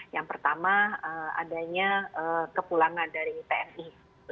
yang pertama adanya kepulangan dari tni